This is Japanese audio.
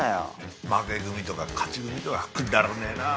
負け組とか勝ち組とかくだらねえなぁ！